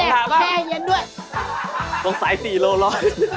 แก้วเมิงกรอนดีเลย